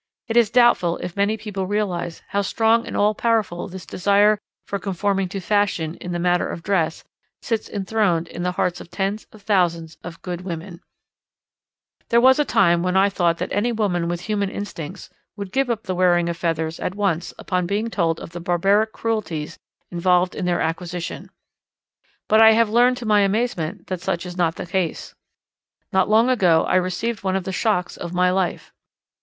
It is doubtful if many people realize how strong and all powerful this desire for conforming to fashion in the matter of dress sits enthroned in the hearts of tens of thousands of good women. [Illustration: An Egret, bearing "aigrettes," in attendance on her young] There was a time when I thought that any woman with human instincts would give up the wearing of feathers at once upon being told of the barbaric cruelties involved in their acquisition. But I have learned to my amazement that such is not the case. Not long ago I received one of the shocks of my life.